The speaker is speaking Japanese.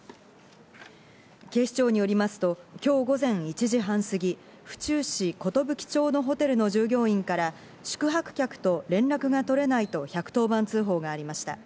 警視庁によりますと今日午前１時半過ぎ、府中市寿町のホテルの従業員から、宿泊客と連絡が取れないと１１０番通報がありました。